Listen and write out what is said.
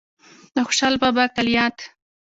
د خوشال بابا کلیات